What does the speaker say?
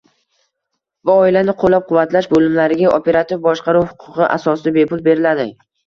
va oilani qo‘llab-quvvatlash bo‘limlariga operativ boshqaruv huquqi asosida bepul beriladi.